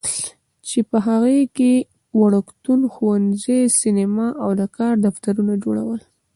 چې په هغې کې وړکتون، ښوونځی، سینما او د کار دفترونه جوړ شول.